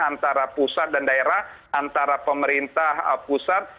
antara pusat dan daerah antara pemerintah pusat